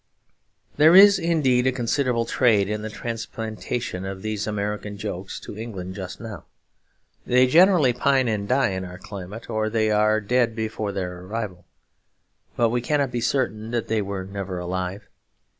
There is indeed a considerable trade in the transplantation of these American jokes to England just now. They generally pine and die in our climate, or they are dead before their arrival; but we cannot be certain that they were never alive.